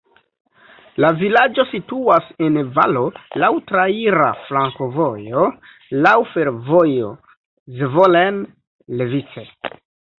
La vilaĝo situas en valo, laŭ traira flankovojo, laŭ fervojo Zvolen-Levice.